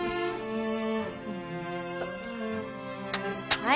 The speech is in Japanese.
はい。